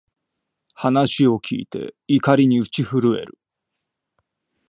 話を聞いて、怒りに打ち震える